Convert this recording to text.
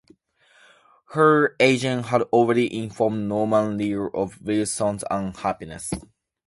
Her agent had already informed Norman Lear of Wilson's unhappiness.